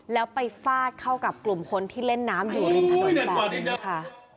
แล้วไปฟาดเข้ากับกลุ่มคนที่เล่นน้ำอยู่ริมถนนแบบนี้ค่ะ